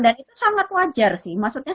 dan itu sangat wajar sih maksudnya